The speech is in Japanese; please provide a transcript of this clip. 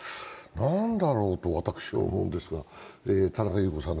何だろうと私は思うんですが。